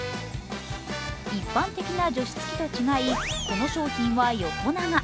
一般的な除湿器と違い、この商品は横長。